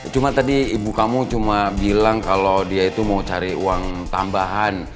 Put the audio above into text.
cuma tadi ibu kamu cuma bilang kalau dia itu mau cari uang tambahan